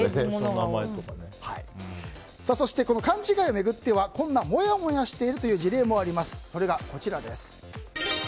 そして勘違いを巡ってはこんな、もやもやしているというそれがこちらです。